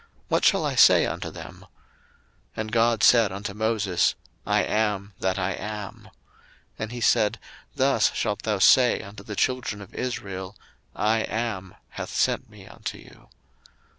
what shall I say unto them? 02:003:014 And God said unto Moses, I AM THAT I AM: and he said, Thus shalt thou say unto the children of Israel, I AM hath sent me unto you.